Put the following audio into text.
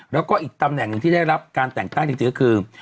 แล้วก็อีกตำแหน่งหนึ่งที่ได้รับการแต่งตั้งจริงก็คือ